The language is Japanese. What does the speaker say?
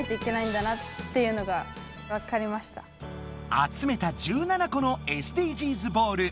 あつめた１７個のＳＤＧｓボール。